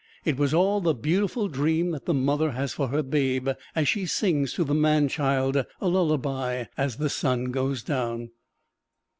It was all the beautiful dream that the mother has for her babe as she sings to the man child a lullaby as the sun goes down.